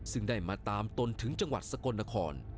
ซึ่งได้มาตามตนถึงจังหวัดสกลนคร